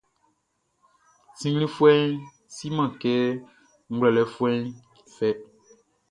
Sinnglinfuɛʼn siman kɛ ngwlɛlɛfuɛʼn fɛ.